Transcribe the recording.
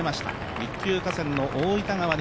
一級河川・大分川